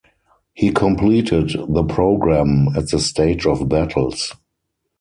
He completed the program at the stage of battles.